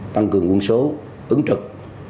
tăng cường quân số ứng trực